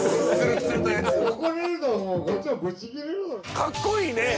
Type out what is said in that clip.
かっこいいね！